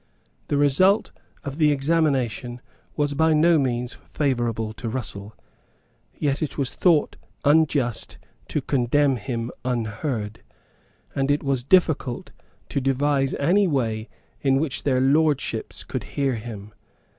The result of the examination was by no means favourable to Russell. Yet it was thought unjust to condemn him unheard; and it was difficult to devise any way in which their Lordships could hear him.